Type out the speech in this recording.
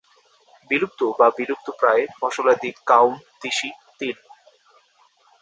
বিলুপ্ত বা বিলুপ্তপ্রায় ফসলাদি কাউন, তিসি, তিল।